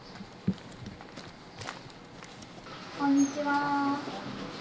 こんにちは。